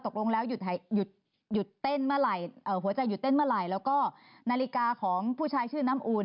ตกลงแล้วหัวใจหยุดเต้นมลัยแล้วนาฬิกาของผู้ชายชื่อนำอุ่น